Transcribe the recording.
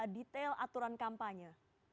detail aturan kampanye